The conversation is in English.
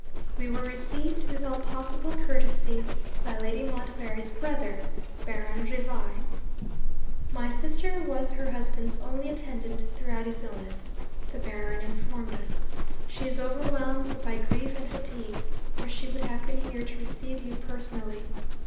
'We were received with all possible courtesy by Lady Montbarry's brother, Baron Rivar. "My sister was her husband's only attendant throughout his illness," the Baron informed us. "She is overwhelmed by grief and fatigue or she would have been here to receive you personally.